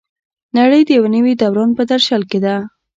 نړۍ د یو نوي دوران په درشل کې ده.